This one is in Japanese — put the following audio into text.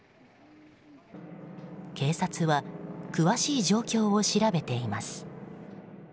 警察は詳しい状況を調べています。